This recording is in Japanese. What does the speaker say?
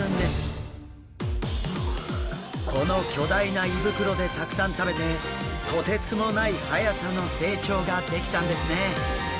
この巨大な胃袋でたくさん食べてとてつもないはやさの成長ができたんですね。